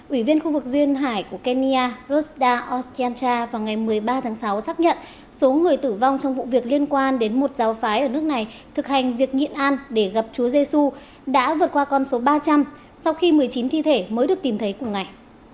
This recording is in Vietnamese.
ủy viên khu vực duyên hải của kenya rosda oskyancha vào ngày một mươi ba tháng sáu xác nhận số người tử vong trong vụ việc liên quan đến một giáo phái ở nước này thực hành việc nhịn an để gặp chúa giê xu đã vượt qua con số ba trăm linh sau khi một mươi chín thi thể mới được tìm thấy cùng ngày